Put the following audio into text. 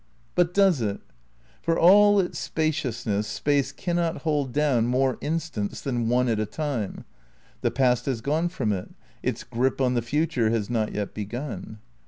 ^ But does it? For all its spaciousness Space cannot hold down more instants than one at a time. The past has gone from it, its grip on the future has not yet begun.